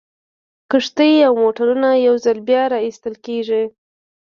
کښتۍ او موټرونه یو ځل بیا را ایستل کیږي